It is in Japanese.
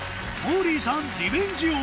モーリーさんリベンジ